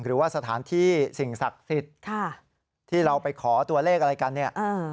หรือว่าสถานที่สิ่งศักดิ์สิทธิ์ที่เราไปขอตัวเลขอะไรกันเนี่ย